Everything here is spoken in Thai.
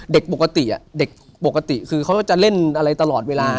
เด็กปกติเด็กปกติคือเขาจะเล่นอะไรตลอดเวลา